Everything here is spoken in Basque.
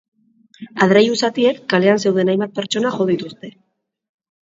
Adreilu zatiek kalean zeuden hainbat pertsona jo dituzte.